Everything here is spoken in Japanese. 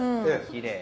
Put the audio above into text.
きれい。